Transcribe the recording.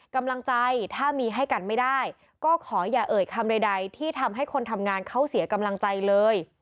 กำลังใจถ้ามีให้กันไม่ได้ก็ขออย่าเอ่ยคำใดที่ทำให้คนทำงานเขาเสียกำลังใจเลย